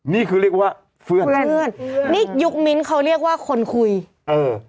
นี่คือเรียกว่าเพื่อนเพื่อนนี่ยุคมิ้นท์เขาเรียกว่าคนคุยเออ